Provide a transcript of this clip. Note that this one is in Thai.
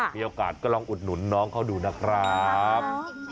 มีโอกาสก็ลองอุดหนุนน้องเขาดูนะครับ